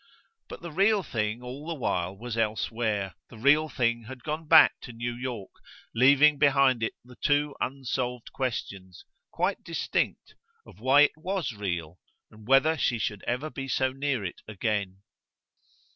But the real thing all the while was elsewhere; the real thing had gone back to New York, leaving behind it the two unsolved questions, quite distinct, of why it WAS real, and whether she should ever be so near it again.